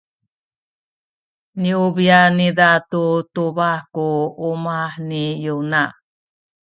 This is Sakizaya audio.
niubi’an niza tu tubah ku umah ni Yona.